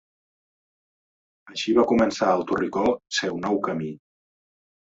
Així va començar el Torricó seu nou camí.